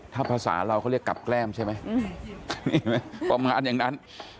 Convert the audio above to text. ถ้าภาษาเราเขาเรียกกลับแกล้มใช่ไหมประมาณอย่างนั้น